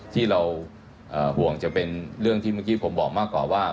ที่เราห่วงจะเป็นเรื่องที่เมื่อกี้ผมบอกมากกว่าว่า